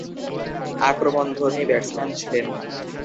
আক্রমণধর্মী batsman ছিলেন।